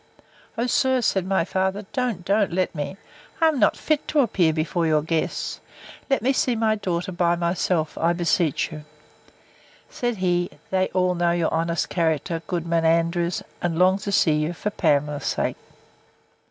O, sir, said my father, don't, don't let me; I am not fit to appear before your guests; let me see my daughter by myself, I beseech you. Said he, They all know your honest character, Goodman Andrews, and long to see you, for Pamela's sake.